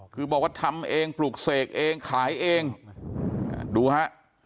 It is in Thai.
คือบอกว่าทำเองปลูกเสกเองขายเองดูฮะ